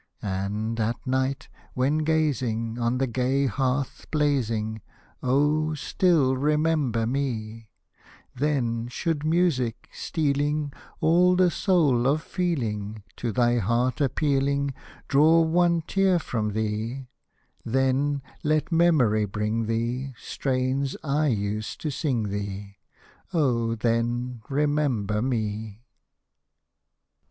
And, at night, when gazing On the gay hearth blazing. Oh ! still remember me. Then should music, stealing All the soul of feeling, Hosted by Google OH ! BREATHE NOT HIS NAME To thy heart appeahng, Draw one tear from thee ; Then let memory bring thee Strains I used to sing thee, — Oh I then remember me.